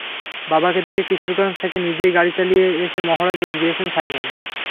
বাবাকে দেখে কিশোরগঞ্জ থেকে নিজেই গাড়ি চালিয়ে এসে মহড়ায় যোগ দিয়েছেন সাইমন।